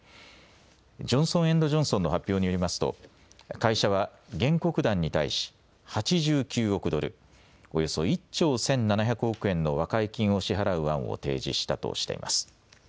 ジョンソン・エンド・ジョンソンの発表によりますと会社は原告団に対し８９億ドル、およそ１兆１７００億円の和解金を支払う案を提示したとしています。